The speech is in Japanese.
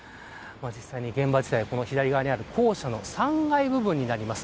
実際に現場自体は左側にある校舎の３階部分になります。